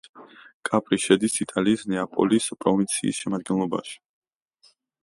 კაპრი შედის იტალიის ნეაპოლის პროვინციის შემადგენლობაში.